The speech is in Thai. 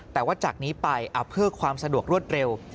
แต่ว่าจากนี้ไปเพื่อความสะดวกรวดเร็ว